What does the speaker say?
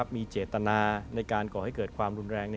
มีเจตนาในการก่อให้เกิดความรุนแรง